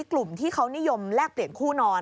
กลุ่มที่เขานิยมแลกเปลี่ยนคู่นอน